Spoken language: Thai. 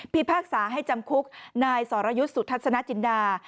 พิพากษาให้จำคุกนายสรยุทธสนาจินดา